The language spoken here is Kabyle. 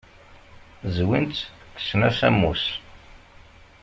Zwin-tt, kksen-as ammus.